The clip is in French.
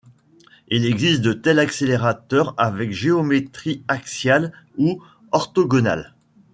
Il existe de tels accélérateurs avec géométrie axiale ou orthogonale.